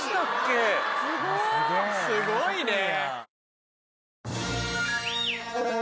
すごいね。